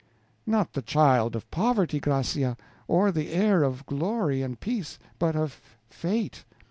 Not the child of poverty, Gracia, or the heir of glory and peace, but of fate.